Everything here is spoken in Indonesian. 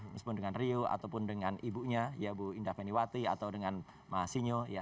meskipun dengan rio ataupun dengan ibunya ya bu indah feniwati atau dengan mas sinyo